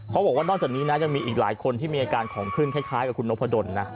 นอกจากนี้นะยังมีอีกหลายคนที่มีอาการของขึ้นคล้ายกับคุณนพดลนะ